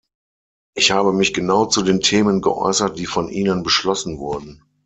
Ich habe mich genau zu den Themen geäußert, die von Ihnen beschlossen wurden.